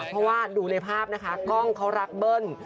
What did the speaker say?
เพราะว่าดูในภาพนะคะกล้องเขารักเบิ้ล